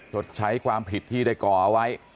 ชดใช้ความผิดที่ได้ก่อเอาไว้